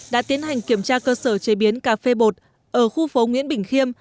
đã tiến hành kiểm tra cơ sở chế biến cà phê bột ở khu phố nguyễn bình khiêm